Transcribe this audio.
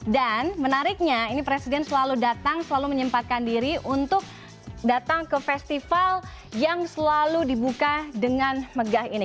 dan menariknya ini presiden selalu datang selalu menyempatkan diri untuk datang ke festival yang selalu dibuka dengan megah ini